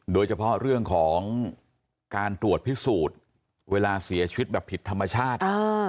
โดยเฉพาะเรื่องของการตรวจพิสูจน์เวลาเสียชีวิตแบบผิดธรรมชาติ